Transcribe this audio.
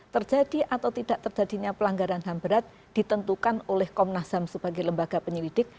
terjadi atau tidak terjadinya pelanggaran ham berat ditentukan oleh komnas ham sebagai lembaga penyelidik